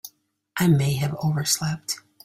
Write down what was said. I may have overslept.